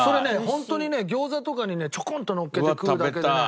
本当にね餃子とかにねちょこんとのっけて食うだけでね。